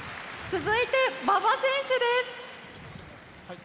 続いて、馬場選手です。